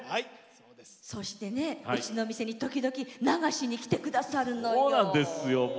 うちの店に時々流しで来てくださるのよ。